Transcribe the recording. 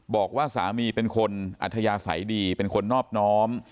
บอกว่าสามีเป็นคนอัธยาศัยดีเป็นคนนอบน้อม